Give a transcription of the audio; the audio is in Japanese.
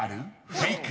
フェイク？］